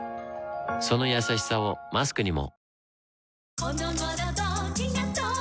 そのやさしさをマスクにも